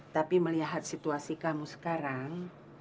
tapi melihat situasi kamu sekarang